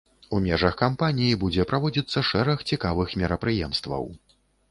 У межах кампаніі будзе праводзіцца шэраг цікавых мерапрыемстваў.